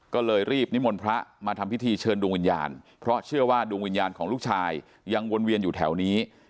ก็เลยรีบนิมนต์พระมาทำพิธีเชิญดวงวิญญาณเพราะเชื่อว่าดวงวิญญาณของลูกชายยังวนเวียนอยู่แถวนี้